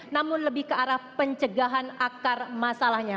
namun lebih ke arah pencegahan akar masalahnya